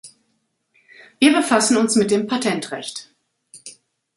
Wir befassen uns mit dem Patentrecht.